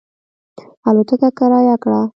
الوتکه کرایه کړه.